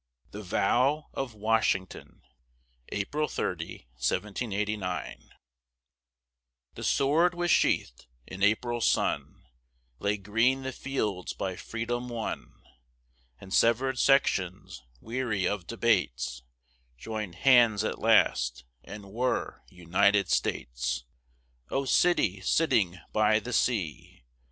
THE VOW OF WASHINGTON [April 30, 1789] The sword was sheathed: in April's sun Lay green the fields by Freedom won; And severed sections, weary of debates, Joined hands at last and were United States. O City sitting by the Sea!